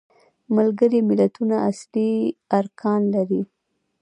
ملګري ملتونه اصلي ارکان لري.